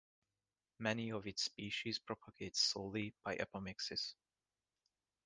Many of its species propagate solely by apomixis.